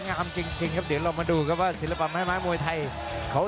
อย่ามาเจอหมัดหนึ่งสองสู้ด้วยสองขวาทันทีครับ